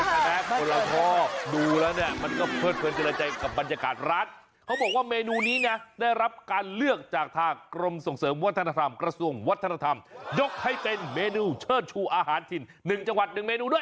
คนเราชอบดูแล้วเนี่ยมันก็เพิดเพลินเจริญใจกับบรรยากาศร้านเขาบอกว่าเมนูนี้นะได้รับการเลือกจากทางกรมส่งเสริมวัฒนธรรมกระทรวงวัฒนธรรมยกให้เป็นเมนูเชิดชูอาหารถิ่น๑จังหวัด๑เมนูด้วย